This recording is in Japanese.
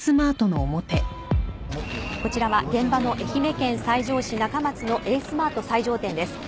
こちらは現場の愛媛県西条市中松のエースマート西条店です。